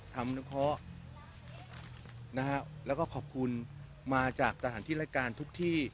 นุเคราะห์นะฮะแล้วก็ขอบคุณมาจากสถานที่รายการทุกที่